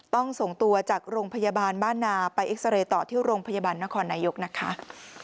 ต้องส่งตัวจากโรงพยาบาลบ้านนาไปเอ็กซาเรย์ต่อที่โรงพยาบาลนครนายกนะคะ